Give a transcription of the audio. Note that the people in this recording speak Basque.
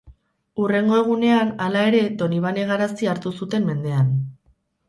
Hurrengo egunean, hala ere, Donibane Garazi hartu zuten mendean.